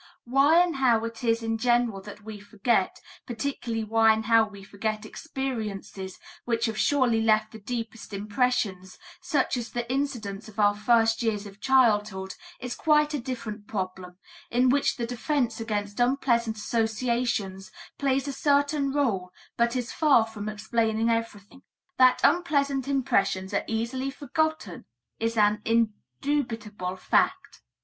Why and how it is in general that we forget, particularly why and how we forget experiences which have surely left the deepest impressions, such as the incidents of our first years of childhood, is quite a different problem, in which the defense against unpleasant associations plays a certain role but is far from explaining everything. That unpleasant impressions are easily forgotten is an indubitable fact.